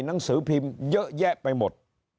หนังสือพิมพ์เยอะแยะไปหมด